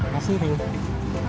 masih di ruangnya